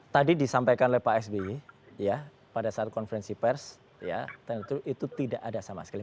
tadi disampaikan oleh pak sby pada saat konferensi pers ya itu tidak ada sama sekali